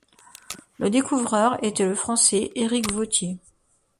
Le découvreur était le Français Éric Vautier.